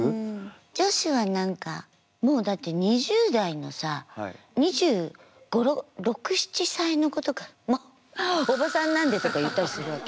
女子は何かもうだって２０代のさ２６２７歳の子とか「もうおばさんなんで」とか言ったりするわけ。